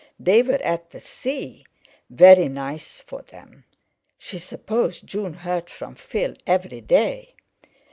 They were at the sea! Very nice for them; she supposed June heard from Phil every day?